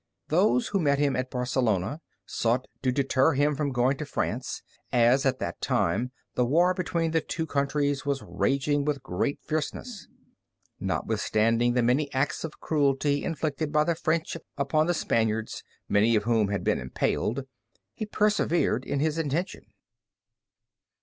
Those who met him at Barcelona sought to deter him from going to France, as at that time the war between the two countries was raging with great fierceness. Notwithstanding the many acts of cruelty inflicted by the French upon the Spaniards, many of whom had been impaled, he persevered in his intention.